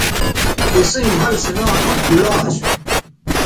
اِسئیں مَھل سو ناں عبداللہ اسو